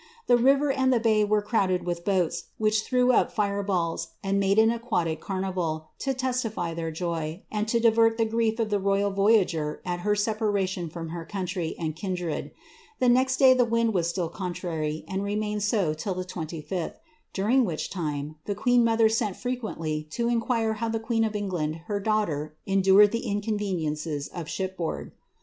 r and the bay were crowded with boats, which threw up fire I made an aquatic carnival, to testify their joy, and to divert of the toytH voyager at her separation from her country and The next day the wind was still contrary, and remained so Sth, during which time the queen mother sent frequently to in w the queen of England, her daughter, endured the inconve f shipboard.